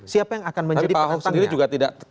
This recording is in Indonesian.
siapa yang akan menjadi penantangnya tapi pak ahok sendiri juga